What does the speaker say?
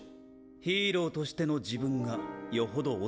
ヒーローとしての自分がよほどお好きなんですね。